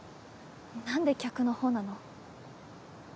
なんで客の方なの？